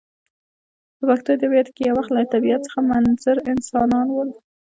په پښتو ادبیاتو کښي یو وخت له طبیعت څخه منظر انسانان ول.